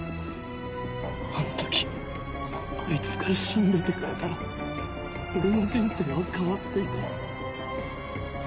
あの時あいつが死んでてくれたら俺の人生は変わっていた。